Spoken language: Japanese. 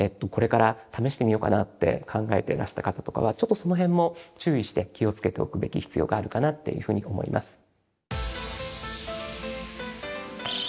これから試してみようかなって考えていらした方とかはちょっとその辺も注意して気を付けておくべき必要があるかなっていうふうに思います。